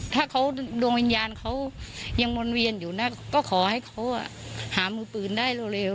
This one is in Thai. ถ้าเขาดวงวิญญาณเขายังวนเวียนอยู่นะก็ขอให้เขาหามือปืนได้เร็ว